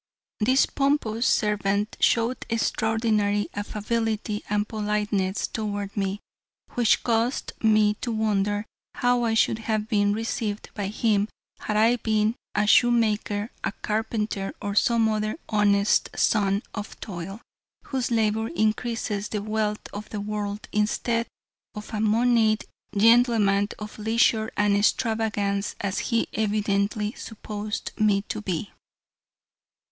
This pompous servant showed extraordinary affability and politeness toward me, which caused me to wonder how I should have been received by him had I been a shoemaker, a carpenter, or some other honest son of toil, whose labor increases the wealth of the world, instead of a moneyed gentleman of leisure and extravagance, as he evidently supposed me to be.